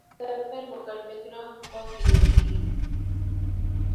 د طرفینو مکلفیتونه هم په پام کې نیول کیږي.